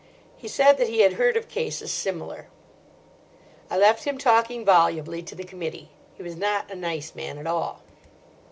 He said that he had heard of cases similar. I left him talking volubly to the committee. He was not a nice man at all.